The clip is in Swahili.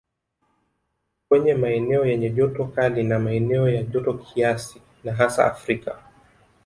Kwenye maeneo yenye joto kali na maeneo ya joto kiasi na hasa Afrika